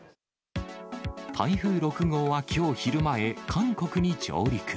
台風６号はきょう昼前、韓国に上陸。